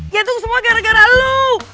ya itu semua gara gara lu